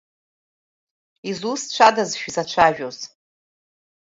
Изусҭцәадаз шәзацәажәоз?